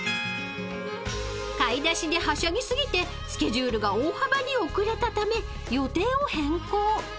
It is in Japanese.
［買い出しではしゃぎ過ぎてスケジュールが大幅に遅れたため予定を変更］